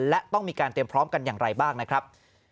และต้องมีการเตรียมพร้อมกันอย่างไรบ้างนะครับ